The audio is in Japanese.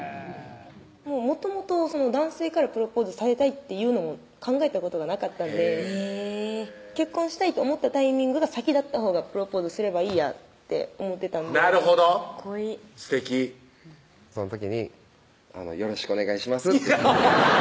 もともと男性からプロポーズされたいっていうのも考えたことがなかったんでへぇ結婚したいと思ったタイミングが先だったほうがプロポーズすればいいやって思ってたのでなるほどすてきその時に「よろしくお願いします」